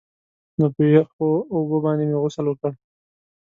نو په يخو اوبو باندې مې غسل وکړ.